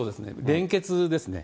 連結ですね。